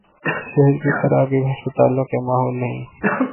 صحت کی تراغیب ہسپتالوں کے ماحول نہیں